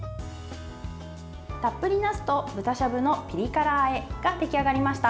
たっぷりなすと豚しゃぶのピリ辛あえが出来上がりました。